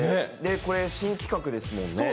これ新企画ですもんね。